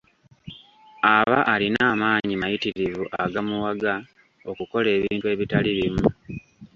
Aba alina amaanyi mayitirivu agamuwaga okukola ebintu ebitali bimu.